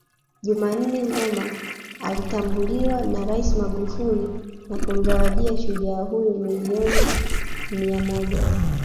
Jumannne Ngoma alitambuliwa na Rais Magufuli na kumzawadia shujaa huyo milioni mia Moja